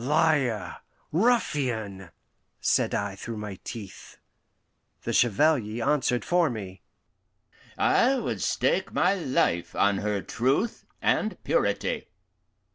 "Liar ruffian!" said I through my teeth. The Chevalier answered for me: "I would stake my life on her truth and purity."